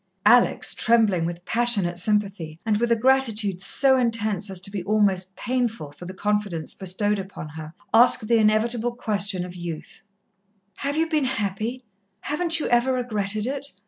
Alex, trembling with passionate sympathy, and with a gratitude so intense as to be almost painful, for the confidence bestowed upon her, asked the inevitable question of youth: "Have you been happy? haven't you ever regretted it?